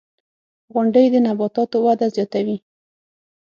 • غونډۍ د نباتاتو وده زیاتوي.